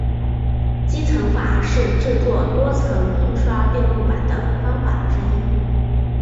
积层法是制作多层印刷电路板的方法之一。